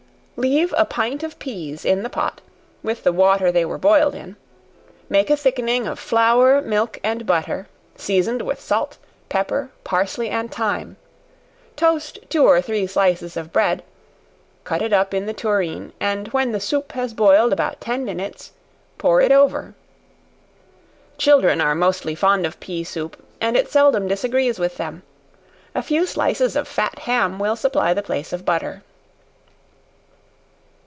Leave a pint of peas in the pot, with the water they were boiled in; make a thickening of flour, milk and butter, seasoned with salt, pepper, parsley and thyme; toast two or three slices of bread; cut it up in the tureen; and when the soup has boiled about ten minutes, pour it over. Children are mostly fond of pea soup, and it seldom disagrees with them. A few slices of fat ham will supply the place of butter.